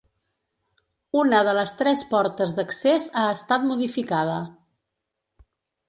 Una de les tres portes d'accés ha estat modificada.